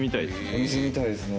「お店みたいですね。